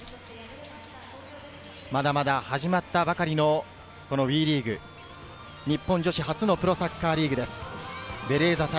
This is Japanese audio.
まだまだ始まったばかりのＷＥリーグ日本女子初のプロサッカーリーグです。